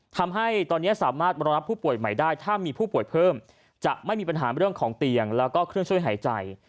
ทำให้ตอนนี้สามารถรองรับผู้ป่วยใหม่ได้ถ้ามีผู้ป่วยเพิ่มจะไม่มีปัญหาเรื่องของเตียงแล้วก็เครื่องช่วยหายใจ